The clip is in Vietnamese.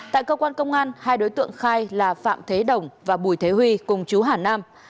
tại cơ quan công an hai đối tượng khai là phạm thế đồng và bùi thế huy cùng chú hà nam